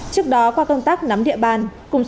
trước đó qua công tác nắm địa bàn